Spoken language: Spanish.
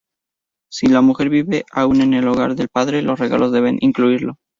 Si la mujer vive aun en el hogar del padre, los regalos deben incluirlo.